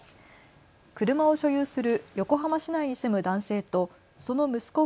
車を所有する横浜市内に住む男性とその息子